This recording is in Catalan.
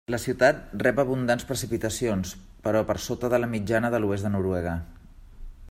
La ciutat rep abundants precipitacions, però per sota de la mitjana de l'oest de Noruega.